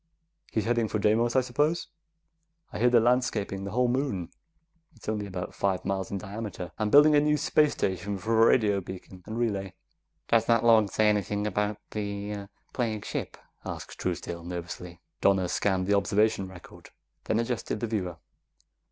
"He's heading for Deimos, I suppose. I hear they're landscaping the whole moon it's only about five miles in diameter and building a new space station for a radio beacon and relay." "Does that log say anything about the plague ship?" asked Truesdale nervously. Donna scanned the observation record, then adjusted the viewer.